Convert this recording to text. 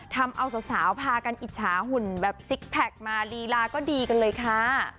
ทำเอาสาวพากันอิจฉาหุ่นแบบซิกแพคมาลีลาก็ดีกันเลยค่ะ